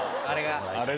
あれが。